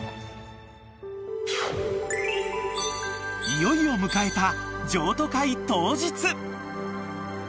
［いよいよ迎えた譲渡会当日］